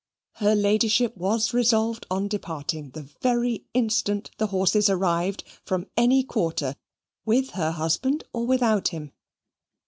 Her Ladyship was resolved on departing the very instant the horses arrived from any quarter with her husband or without him.